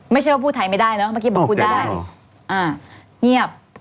เชื่อว่าพูดไทยไม่ได้เนอะเมื่อกี้บอกพูดได้เงียบ